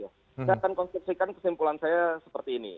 kita akan konstruksikan kesimpulan saya seperti ini